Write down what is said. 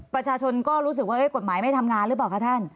ประชาชนก็รู้สึกว่ากฎหมายไม่ทำงานหรือเปล่าคะท่าน